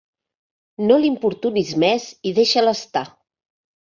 No l'importunis més i deixa'l estar.